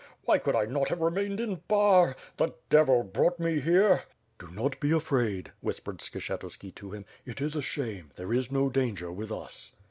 Why could I not have remained in Bar? The devil brought me here " "Do not be afraid/' whispered Skshetuski to him, "it is a shame. There is no danger with us."